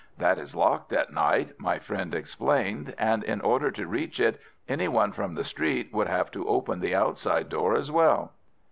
"That is locked at night," my friend explained, "and in order to reach it any one from the street would have to open the outside door as well."